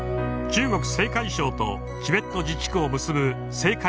中国・青海省とチベット自治区を結ぶ青海